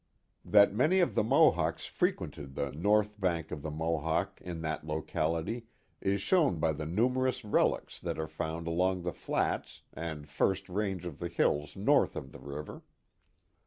That many of the Mohawks frequented the north bank of tlic Mo hawk in that locality, is shown by the numerous relics that are found along the flats and first range of hills nonh cf the river.